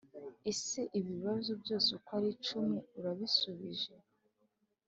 ese ibi bibazo byose uko ari icumi urabisubije ?